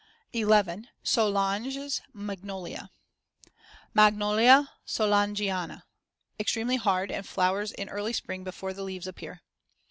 11. Soulange's magnolia (Magnolia soulangeana) Extremely hard and flowers in early spring before the leaves appear.